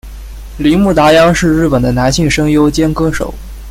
铃木达央是日本的男性声优兼歌手。